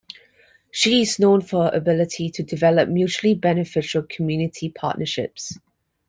She is known for her ability to develop mutually beneficial community partnerships.